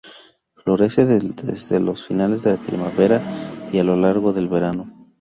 Florece desde finales de primavera y a lo largo del verano.